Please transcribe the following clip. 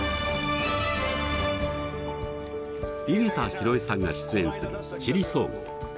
井桁弘恵さんが出演する「地理総合」。